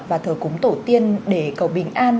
và thờ cúng tổ tiên để cầu bình an